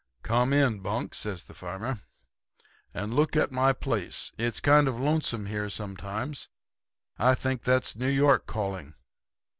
"'Come in, Bunk,' says the farmer, 'and look at my place. It's kind of lonesome here sometimes. I think that's New York calling.'